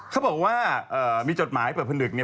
เขาบอกว่ามีจดหมายเปิดผนึก